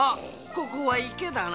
ここはいけだな。